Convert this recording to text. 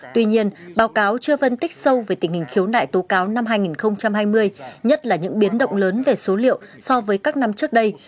tuy nhiên báo cáo chưa phân tích sâu về tình hình khiếu nại tố cáo năm hai nghìn hai mươi nhất là những biến động lớn về số liệu so với các năm trước đây